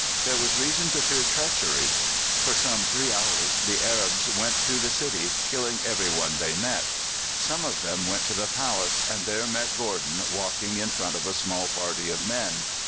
There was reason to fear treachery. For some three hours the Arabs went through the city killing every one they met. Some of them went to the palace, and there met Gordon walking in front of a small party of men.